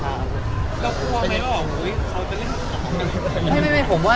ก็กลัวไหมว่าเขาจะเล่นของกัน